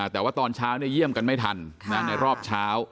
แต่ว่าตอนเช้าเยี่ยมกันไม่ทันในรอบเช้า